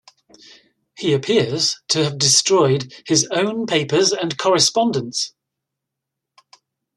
He appears to have destroyed his own papers and correspondence.